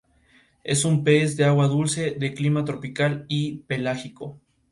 Es un pez de agua dulce, de clima tropical y pelágico.